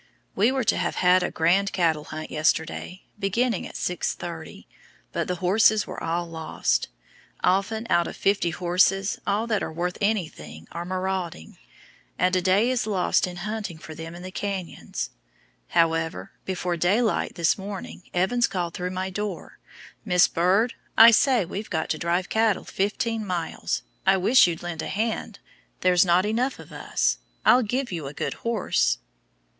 We were to have had a grand cattle hunt yesterday, beginning at 6:30, but the horses were all lost. Often out of fifty horses all that are worth anything are marauding, and a day is lost in hunting for them in the canyons. However, before daylight this morning Evans called through my door, "Miss Bird, I say we've got to drive cattle fifteen miles, I wish you'd lend a hand; there's not enough of us; I'll give you a good horse."